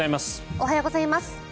おはようございます。